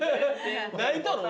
泣いたの？